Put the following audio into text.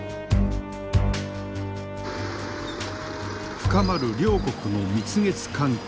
深まる両国の蜜月関係。